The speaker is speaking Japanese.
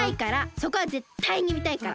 そこはぜったいにみたいから！